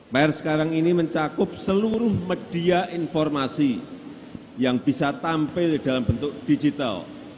hai per sekarang ini mencakup seluruh media informasi yang bisa tampil dalam bentuk digital